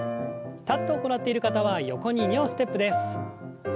立って行っている方は横に２歩ステップです。